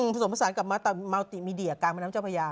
ผสมผสานกับมัลติมีเดียกลางบรรนัมเจ้าพญา